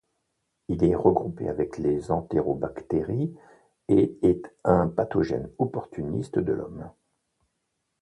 Il est regroupé avec les entérobactéries et est un pathogène opportuniste de l'homme.